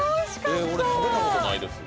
俺食べたことないです